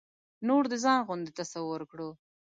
نور د ځان غوندې تصور کړو.